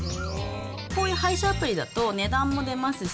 こういう配車アプリだと値段も出ますし、